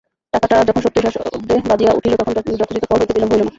টাকাটা যখন সত্যই সশব্দে বাজিয়া উঠিল তখন যথোচিত ফল হইতে বিলম্ব হইল না।